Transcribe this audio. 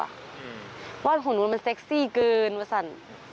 เพราะว่าของหนูมันเซ็กซี่เกินว่าสั่น